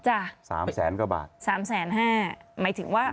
๓๐๐๐๐๐กว่าบาทนะครับสามแสนห้าหมายถึงว่า